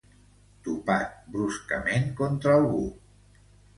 Topat bruscament contra algú.